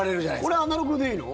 これ、アナログでいいの？